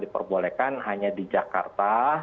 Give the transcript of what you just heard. diperbolehkan hanya di jakarta